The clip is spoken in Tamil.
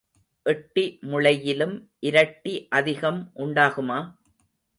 எட்டி முளையிலும் இரட்டி அதிகம் உண்டாகுமா?